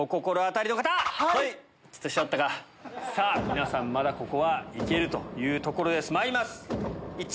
皆さんまだここは行けるというところです。